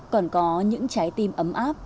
còn có những trái tim ấm áp